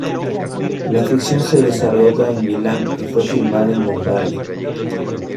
La ficción se desarrolla en Milán, y fue filmada en Lombardía.